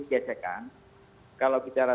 gesekan kalau bicara